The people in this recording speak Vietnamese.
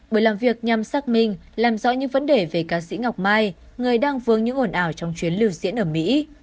bữa làm việc nhằm xác minh làm rõ những vấn đề về ca sĩ ngọc mai người đang vương những ổn ảo trong chuyến lưu diễn ở mỹ